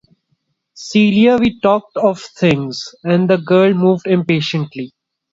"Celia, we talked of things"; and the girl moved impatiently.